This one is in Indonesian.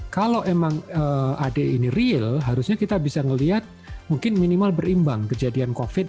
kalau emang ade ini real harusnya kita bisa melihat mungkin minimal berimbang kejadian covid